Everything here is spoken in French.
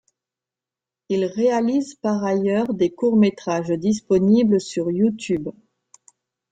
Il réalise par ailleurs des courts métrage disponibles sur You Tube.